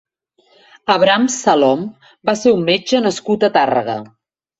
Abram Salom va ser un metge nascut a Tàrrega.